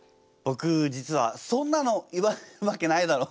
ぼく実はそんなの言われるわけないだろ。